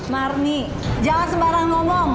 marni jangan sembarang ngomong